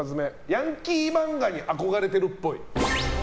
ヤンキー漫画に憧れてるっぽい。